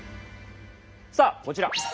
さあこちら。